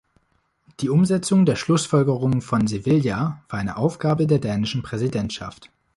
Die Umsetzung der Schlussfolgerungen von Sevilla war eine Aufgabe der dänischen Präsidentschaft.